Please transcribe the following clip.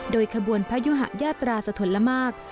โดยขบวนพยุหะยาตราสะทนละมาก